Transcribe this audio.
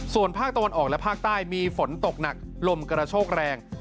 ส่วนภาคตะวันออกและภาคใต้มีฝนตกหนักลมกระโชกแรง